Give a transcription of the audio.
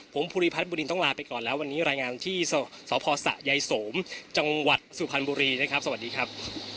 ผมภูริพัฒนบุรีต้องลาไปก่อนแล้ววันนี้รายงานที่สพสะยายโสมจังหวัดสุพรรณบุรีนะครับสวัสดีครับ